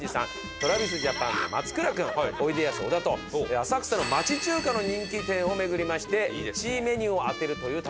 ＴｒａｖｉｓＪａｐａｎの松倉君おいでやす小田と浅草の町中華の人気店を巡りまして１位メニューを当てるという旅に行ってまいりました。